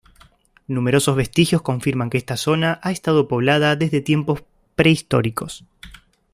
Numerosos vestigios confirman que esta zona ha estado poblada desde tiempos prehistóricos.